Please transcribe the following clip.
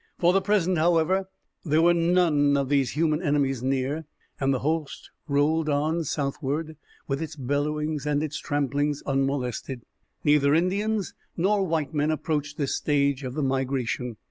For the present, however, there were none of these human enemies near, and the host rolled on southward, with its bellowings and its tramplings, unmolested. Neither Indians nor white men approached this stage of the migration.